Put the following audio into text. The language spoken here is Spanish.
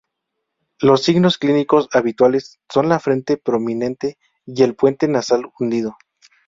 Los signos clínicos habituales son la frente prominente y el puente nasal hundido.